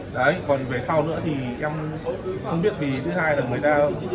đấy còn về sau nữa thì em không biết vì thứ hai là người ta